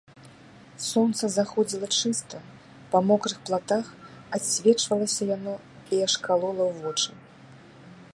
Сонца заходзіла чыста, па мокрых платах адсвечвалася яно і аж калола ў вочы.